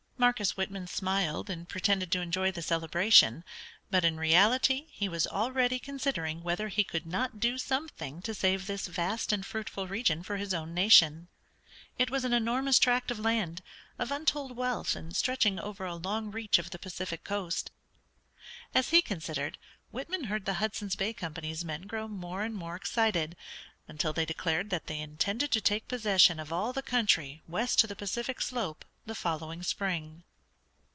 Marcus Whitman smiled, and pretended to enjoy the celebration; but in reality he was already considering whether he could not do something to save this vast and fruitful region for his own nation. It was an enormous tract of land, of untold wealth, and stretching over a long reach of the Pacific coast. As he considered, Whitman heard the Hudson's Bay Company's men grow more and more excited, until they declared that they intended to take possession of all the country west to the Pacific slope the following spring.